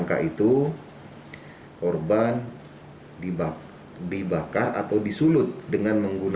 kepolisian sektor tamu